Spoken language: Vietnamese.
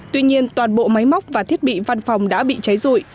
tuy nhiên toàn bộ máy móc và thiết bị văn phòng đã bị cháy rụi